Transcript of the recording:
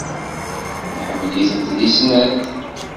Nḥemmel-itent deg snat.